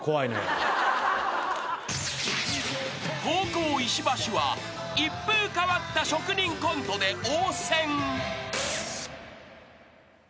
［後攻石橋は一風変わった職人コントで応戦］